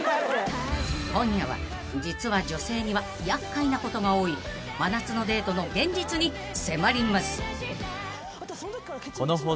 ［今夜は実は女性には厄介なことが多い真夏のデートの現実に迫ります］